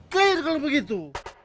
clear kalau begitu